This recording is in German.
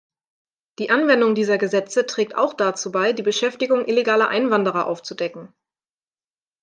Die Anwendung dieser Gesetze trägt auch dazu bei, die Beschäftigung illegaler Einwanderer aufzudecken.